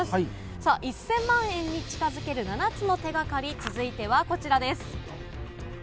さあ、１０００万円に近づける７つの手がかり、続いてはこちらです。